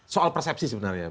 soal persepsi sebenarnya